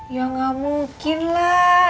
ya gak mungkin lah